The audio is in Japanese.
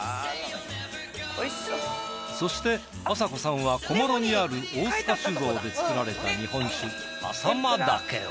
そしてあさこさんは小諸にある大塚酒造で造られた日本酒浅間嶽を。